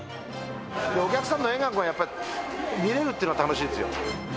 お客さんの笑顔が、やっぱ見れるっていうの、楽しいですよ。